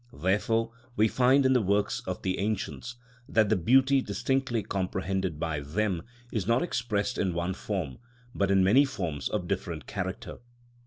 Therefore we find in the works of the ancients, that the beauty distinctly comprehended by them, is not expressed in one form, but in many forms of different character.